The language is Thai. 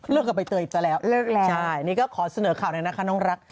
กับใบเตยซะแล้วเลิกแล้วใช่นี่ก็ขอเสนอข่าวเลยนะคะน้องรัก